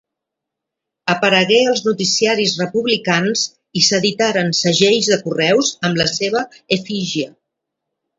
Aparegué als noticiaris republicans i s'editaren segells de correus amb la seva efígie.